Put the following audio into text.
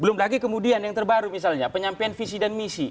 belum lagi kemudian yang terbaru misalnya penyampaian visi dan misi